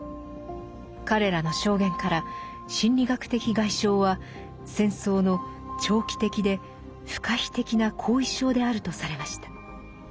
彼らの証言から心理学的外傷は戦争の長期的で不可避的な後遺症であるとされました。